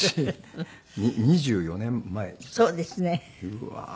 うわー。